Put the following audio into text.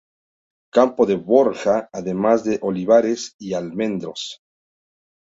Campo de Borja, además de olivares y almendros.